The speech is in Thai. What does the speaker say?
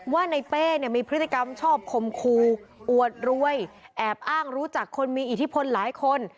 ว่าในเป้เนี่ยมีพฤติกรรมชอบคมครูอวดรวยแอบอ้างรู้จักคนมีอิทธิพลหลายคน